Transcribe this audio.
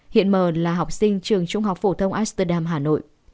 hiện m là học sinh trường trung học phổ thông amsterdam hà nội